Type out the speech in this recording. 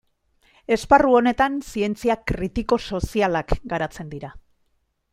Esparru honetan zientzia kritiko-sozialak garatzen dira.